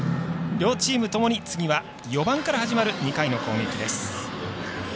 両チームともに次は４番から始まる２回の攻撃です。